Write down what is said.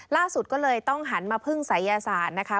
ล่าสุดก็เลยต้องหันมาพึ่งสายยาศาสตร์